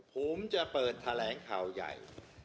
ผมจะเปิดแถลงข่าวใหญ่